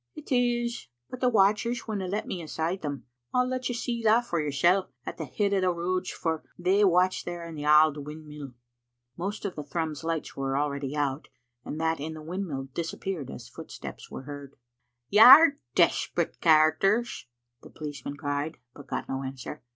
•• It is, but the watchers winna let me in aside them. Digitized by VjOOQ IC ril let you see that for yoursel' at the head o' the Roods, for they watch there in the auld windmill." Most of the Thrums lights were already out, and that in the windmill disappeared as footsteps were heard. "You're desperate characters," the policeman cried, but got no answer.